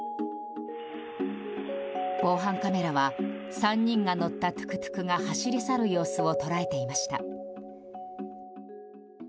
防犯カメラは、３人が乗ったトゥクトゥクが走り去る様子を捉えていました。